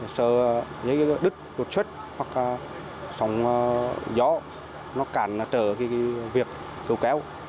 sờ dây đứt đột chất hoặc sòng gió nó cản trở việc cứu kéo